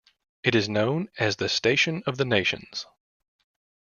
It is known as The Station of the Nations.